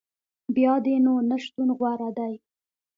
بیا دي نو نه شتون غوره دی